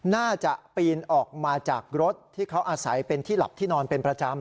น่าจะปีนออกมาจากรถที่เขาอาศัยเป็นที่หลับที่นอนเป็นประจำ